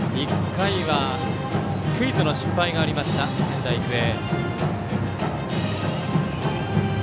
１回はスクイズの失敗がありました仙台育英。